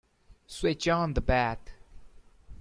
Switch on the bath.